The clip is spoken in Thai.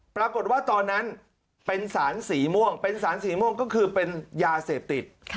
ปรากฏว่าตอนนั้นเป็นสารสีม่วงเป็นสารสีม่วงก็คือเป็นยาเสพติด